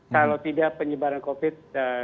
kalau tidak penyebaran covid sembilan belas